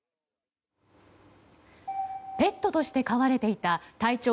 ペットとして飼われていた体長